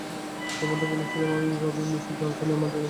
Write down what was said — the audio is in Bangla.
যেমনটা বলছিলাম, আমি ভাবি মিসেস জনসনের মাঝে কি এমন ছিল?